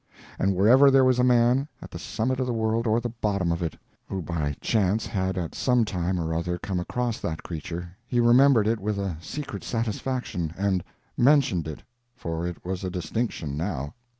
And wherever there was a man, at the summit of the world or the bottom of it, who by chance had at some time or other come across that creature, he remembered it with a secret satisfaction, and _mentioned _it—for it was a distinction, now!